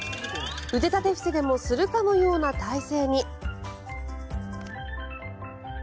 腕立て伏せでもするかのような体勢に。